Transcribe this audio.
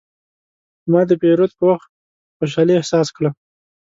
ما د پیرود په وخت خوشحالي احساس کړه.